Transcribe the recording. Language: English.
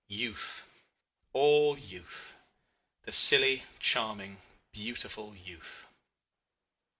Youth! All youth! The silly, charming, beautiful youth.